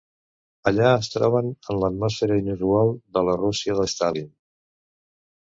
Allà es troben en l'atmosfera inusual de la Rússia de Stalin.